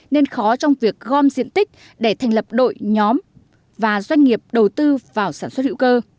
nên khó trong việc gom diện tích để thành lập đội nhóm và doanh nghiệp đầu tư vào sản xuất hữu cơ